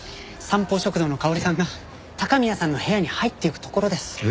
三宝食堂のかおりさんが高宮さんの部屋に入っていくところです。